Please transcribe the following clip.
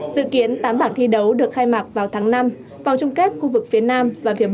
dự kiến tám bảng thi đấu được khai mạc vào tháng năm vào chung kết khu vực phía nam